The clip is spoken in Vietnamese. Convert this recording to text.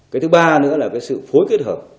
cái thứ ba nữa là cái sự phối kết hợp